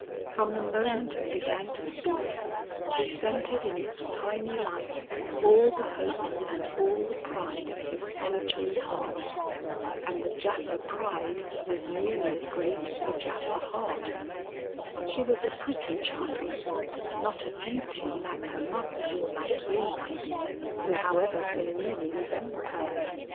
From the moment it began to speak, he centered in its tiny life all the hope and all the pride of his solitary heart. And the Japha pride was nearly as great as the Japha heart. She was a pretty child; not a beauty like her mother or like you, my dear, who however so nearly resemble her.